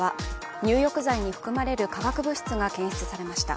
入浴剤に含まれる化学物質が検出されました。